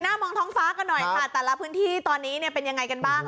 มองท้องฟ้ากันหน่อยค่ะแต่ละพื้นที่ตอนนี้เนี่ยเป็นยังไงกันบ้าง